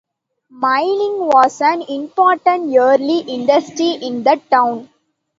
Mining was an important early industry in the town.